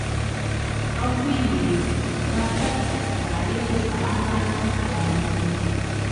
او وې ئې " ډاکټر صېب د اډې لوفران رانه نۀ قلاریږي